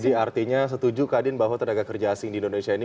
jadi artinya setuju kak din bahwa tenaga kerja asing di indonesia ini